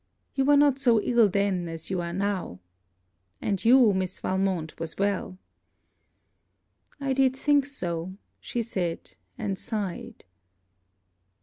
You were not so ill then, as you are now.' 'And you, Miss Valmont, was well.' 'I did think so,' she said, and sighed.